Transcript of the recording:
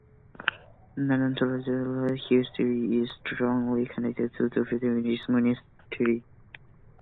Nonantola's history is strongly connected to the Benedictine monastery.